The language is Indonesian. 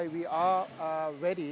karena itulah kami